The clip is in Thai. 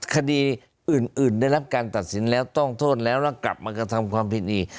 คดีอื่นได้รับการตัดสินแล้วต้องโทษแล้วแล้วกลับมากระทำความผิดอีก